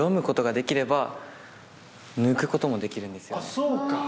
そうか。